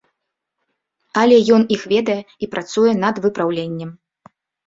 Але ён іх ведае і працуе над выпраўленнем!